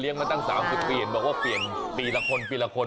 เลี้ยงมาตั้ง๓๐เพียรบอกว่าเปลี่ยนปีละคนปีละคน